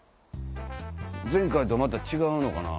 前回とまた違うのかな？